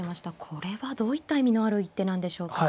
これはどういった意味のある一手なんでしょうか。